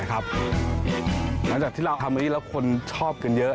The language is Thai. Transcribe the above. หลังจากที่เราทำอันนี้แล้วคนชอบกันเยอะ